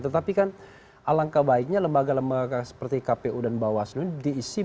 tetapi kan alangkah baiknya lembaga lembaga seperti kpu dan bawaslu ini diisi